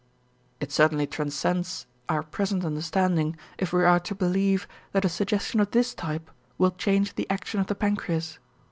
It certainly transcends our present understanding if we are to believe that a suggestion of this type will change the action of the pancreas.